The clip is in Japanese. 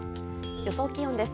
予想気温です。